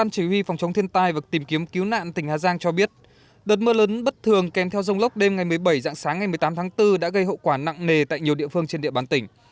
chỉ huy phòng chống thiên tai và tìm kiếm cứu nạn tỉnh hà giang cho biết đợt mưa lớn bất thường kèm theo dông lốc đêm ngày một mươi bảy dạng sáng ngày một mươi tám tháng bốn đã gây hậu quả nặng nề tại nhiều địa phương trên địa bàn tỉnh